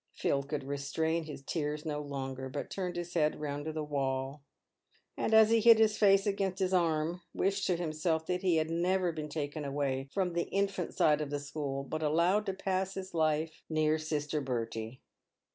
Philip could restrain his tears no longer, but turned his head round to the wall, and as he hid his face against his arm, wished to himself that he had never been taken away from the infant side of the school, but allowed to pass his life near sister Bertie.